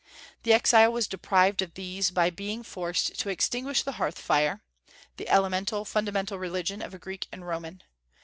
The exile was deprived of these by being forced to extinguish the hearth fire, the elemental, fundamental religion of a Greek and Roman.